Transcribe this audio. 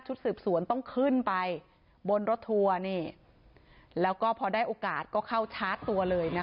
สืบสวนต้องขึ้นไปบนรถทัวร์นี่แล้วก็พอได้โอกาสก็เข้าชาร์จตัวเลยนะคะ